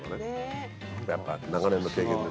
やっぱ長年の経験ですよ。